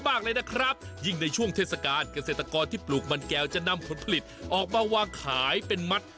มากเลยนะครับยิ่งในช่วงเทศกาลเกษตรกรที่ปลูกมันแก้วจะนำผลผลิตออกมาวางขายเป็นมัด